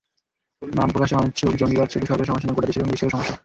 নাম প্রকাশে অনিচ্ছুকজঙ্গিবাদ শুধু সরকারের সমস্যা না, গোটা দেশের এবং বিশ্বেরও সমস্যা।